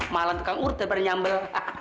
malah tukang urut lebih dari nyambel